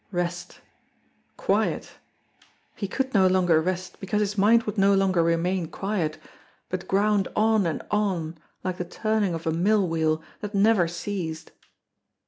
Rest ! Quiet ! He could no longer rest, because his mind would no longer remain quiet but ground on and on like the turning of a mill wheel that never ceased.